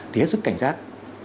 thì hết sức cảnh giác